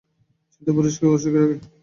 সাথে পুরুষকেও অসুখী রাখে।